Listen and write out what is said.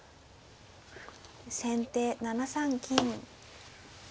先手７三金。